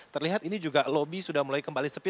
terlihat ini juga lobby sudah mulai kembali sepi